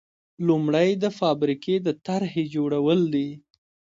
لومړی د فابریکې د طرحې جوړول دي.